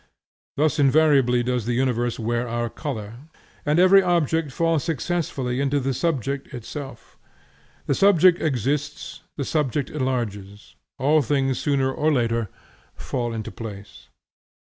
Thus inevitably does the universe wear our color, and every object fall successively into the subject itself. The subject exists, the subject enlarges; all things sooner or later fall into place.